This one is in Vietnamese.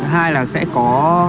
hai là sẽ có